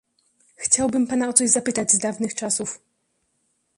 "Chciałbym pana o coś zapytać z dawnych czasów."